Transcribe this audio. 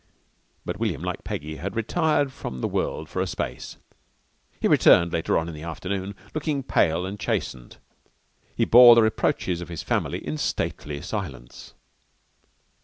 But William, like Peggy, had retired from the world for a space. He returned later on in the afternoon, looking pale and chastened. He bore the reproaches of his family in stately silence.